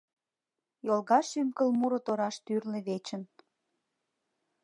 Йолга шӱм-кыл муро тораш тӱрлӧ вечын